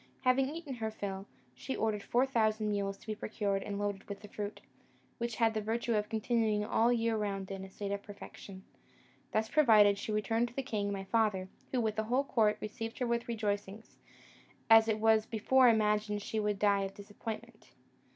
Having eaten her fill, she ordered four thousand mules to be procured and loaded with the fruit, which had the virtue of continuing all the year round in a state of perfection. Thus provided, she returned to the king my father, who, with the whole court, received her with rejoicings, as it was before imagined she would die of disappointment.